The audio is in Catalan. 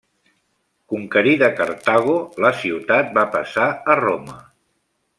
Conquerida Cartago la ciutat va passar a Roma.